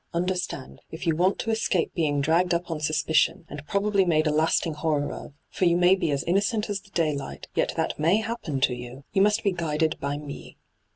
Understand, if you want to escape being dragged up on suspicion, and probably made a lasting horror of — for you may be as innocent as the daylight, yet that may happen to you — you must be guided by me.